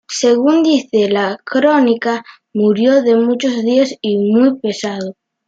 Según dice la crónica ""murió de muchos días y muy pesado"".